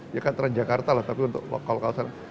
ya kan transjakarta lah tapi untuk lokal lokal sana